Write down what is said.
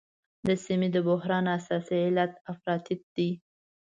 د سیمې د بحران اساسي علت افراطیت دی.